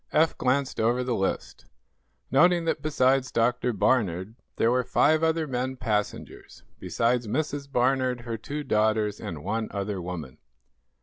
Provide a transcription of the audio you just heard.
Eph glanced over the list, noting that besides Dr. Barnard, there were five other men passengers, besides Mrs. Barnard, her two daughters and one other woman.